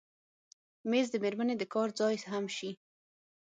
مېز د مېرمنې د کار ځای هم شي.